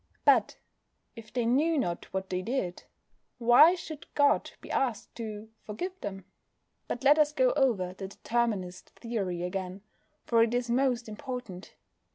But if they knew not what they did, why should God be asked to forgive them? But let us go over the Determinist theory again, for it is most important.